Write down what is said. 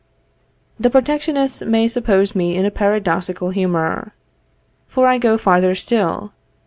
The protectionists may suppose me in a paradoxical humor, for I go farther still.